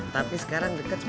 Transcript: tapi sekarang deket sepuluh